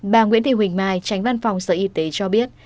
bà nguyễn thị huỳnh mai tránh văn phòng sở y tế cho biết